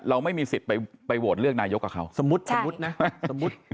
เราไม่มีสิทธิ์ไปโหวตเลือกนายกกับเขาสมมุติสมมุตินะสมมุติ